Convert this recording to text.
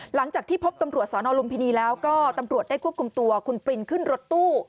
หลังจากที่พบตำรวจสนลุมพินีแล้วก็ตำรวจได้ควบคุมตัวคุณปรินขึ้นรถตู้